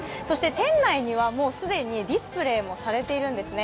店内には既にディスプレーもされているんですね。